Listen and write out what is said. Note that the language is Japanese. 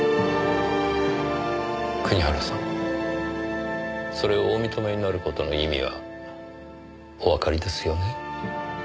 国原さんそれをお認めになる事の意味はおわかりですよね？